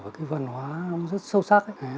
và cái văn hóa ông rất sâu sắc ấy